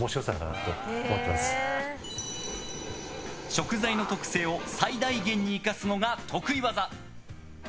食材の特性を最大限に生かすのが得意技。